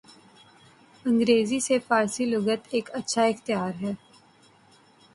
انگریزی سے فارسی لغت ایک اچھا اختیار ہے۔